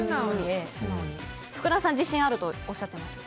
福田さん、自信あるとおっしゃってました。